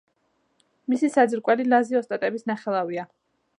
მისი საძირკველი ლაზი ოსტატების ნახელავია.